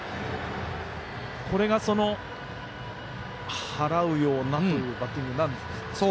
これが払うようなバッティングになるんでしょうか。